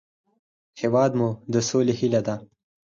هېواد مو د سولې هیله ده